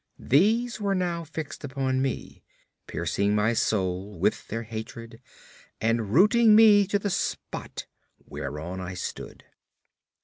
These were now fixed upon me, piercing my soul with their hatred, and rooting me to the spot whereon I stood.